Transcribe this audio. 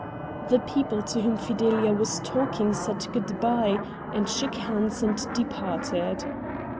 The people to whom Fidelia was talking said good bye, and shook hands and departed.